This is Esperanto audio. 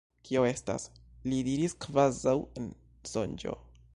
Kio estas? li diris kvazaŭ en sonĝo.